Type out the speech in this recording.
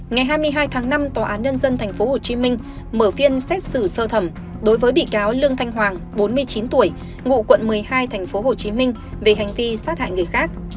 ngày hai mươi hai tháng năm tòa án nhân dân tp hcm mở phiên xét xử sơ thẩm đối với bị cáo lương thanh hoàng bốn mươi chín tuổi ngụ quận một mươi hai tp hcm về hành vi sát hại người khác